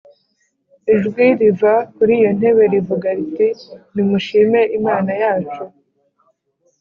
Ijwi riva kuri iyo ntebe rivuga riti “Nimushime Imana yacu